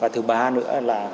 và thứ ba nữa là